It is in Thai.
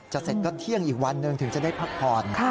เสร็จก็เที่ยงอีกวันหนึ่งถึงจะได้พักผ่อน